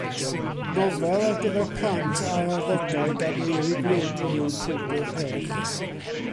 Nofel ar gyfer plant a'r arddegau gan Eirug Wyn yw Powdwr Rhech!